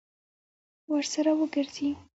ورسره وګرځي.